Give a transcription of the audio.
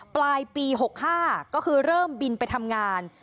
ปลายปี๖๕ก็คือเริ่มบินไปทำงาน